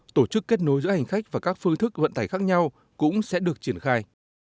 tổ chức kết nối giữa hành khách và các phương thức vận tải khác nhau cũng sẽ được triển khai